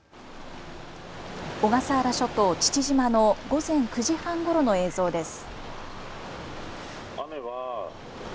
小笠原諸島父島の午前９時半ごろの映像です。